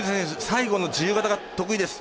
最後の自由形が得意です。